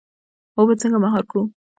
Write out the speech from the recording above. اوبه څنګه مهار کړو؟